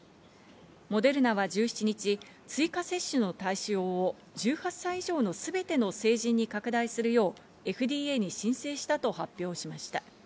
モデルナは１７日、追加接種の対象を１８歳以上のすべての成人に拡大するようＦＤＡに申請したと発表しました。